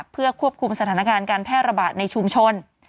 เพื่อควบคุมสถานการณ์การแพร่ระบาดในชุมชน